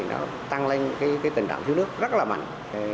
nó tăng lên cái tình trạng thiếu nước rất là mạnh